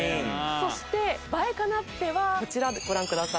そして映えカナッペはこちらご覧ください。